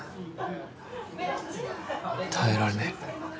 耐えられねぇ。